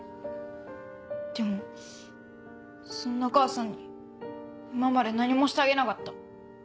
でもそんな母さんに今まで何もしてあげなかった。